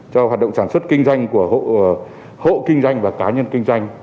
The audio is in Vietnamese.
cho hoạt động sản xuất kinh doanh của hộ kinh doanh và cá nhân kinh doanh